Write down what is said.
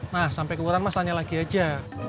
nah sampai kelurahan mas tanya lagi aja